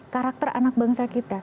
karakter anak bangsa kita